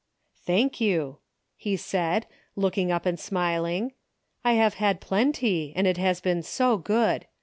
'' Thank you," he said, looking up and smil ing, " I have had plenty and it has been so good.